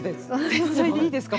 天才でいいですか？